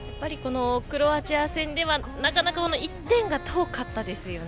クロアチア戦では、なかなか１点が遠かったですよね。